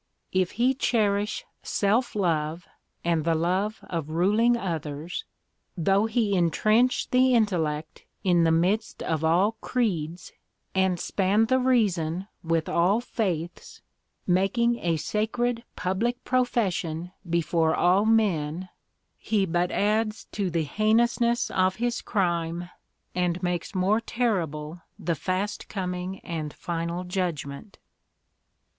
If he cherish self love, and the love of ruling others, though he intrench the intellect in the midst of all creeds, and span the reason with all faiths, making a sacred public profession before all men, he but adds to the heinousness of his crime, and makes more terrible the fast coming and final judgment."